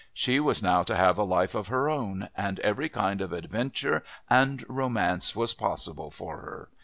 She was now to have a life of her own, and every kind of adventure and romance was possible for her.